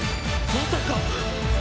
まさか！